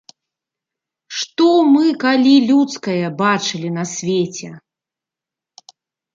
Што мы калі людскае бачылі на свеце?